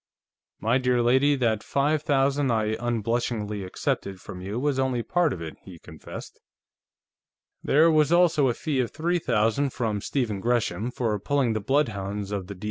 "My dear lady, that five thousand I unblushingly accepted from you was only part of it," he confessed. "There was also a fee of three thousand from Stephen Gresham, for pulling the bloodhounds of the D.A.'